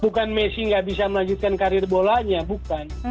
bukan messi nggak bisa melanjutkan karir bolanya bukan